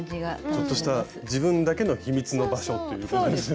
ちょっとした自分だけの秘密の場所っていうことですよね。